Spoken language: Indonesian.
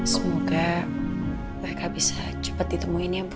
semoga mereka bisa cepat ditemuin ya bu